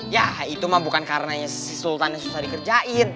ya itu mah bukan karna si sultan susah dikerjain